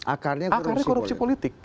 akarnya korupsi politik